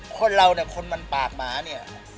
คนเราเนี่ยคนมันปากหมาเนี่ย